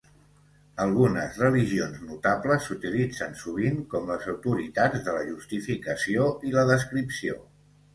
Algunes religions notables s'utilitzen sovint com les autoritats de la justificació i la descripció.